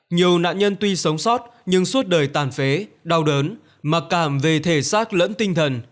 nhiều nạn nhân tuy sống sót nhưng suốt đời tàn phế đau đớn mặc cảm về thể xác lẫn tinh thần